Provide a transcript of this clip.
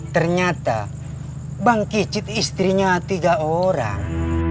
ternyata bang kicit istrinya tiga orang